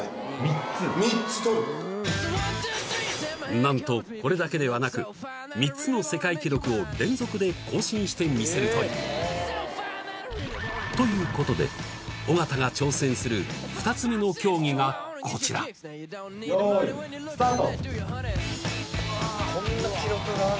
何とこれだけではなく３つの世界記録を連続で更新してみせるというということで尾形が挑戦する２つ目の競技がこちらよいスタート